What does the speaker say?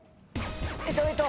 えっとえっと。